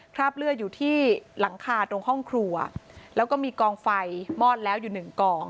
คราบเลือดอยู่ที่หลังคาตรงห้องครัวแล้วก็มีกองไฟมอดแล้วอยู่หนึ่งกอง